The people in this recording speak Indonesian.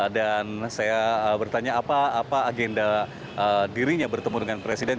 dan saya bertanya apa agenda dirinya bertemu dengan presiden